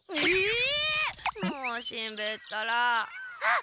もうしんべヱったら。あっ